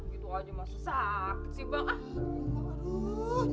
gitu aja masih sakit sih bang